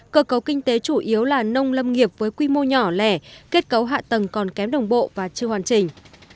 cơ cấu kinh tế chủ yếu là nông lâm nghiệp với quy mô nhỏ lẻ kết cấu hạ tầng còn kém đồng bộ và chưa hoàn chỉnh